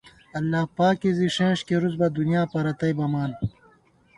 اللہ پاکے زی ݭېنې کېرُوس بہ دُنیا پرَتئ بَمان